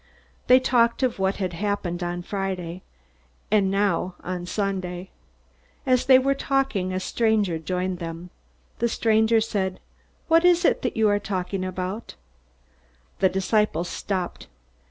They talked of what had happened on Friday, and now on Sunday. As they were talking, a stranger joined them. The stranger said, "What is it that you are talking about?" The disciples stopped.